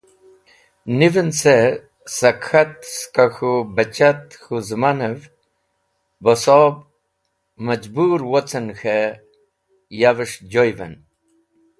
Niven ce, sak k̃hat skẽ k̃hũ bachat k̃hũ zẽmanev, bosob majbũr wocen k̃he yaves̃h joy’ven.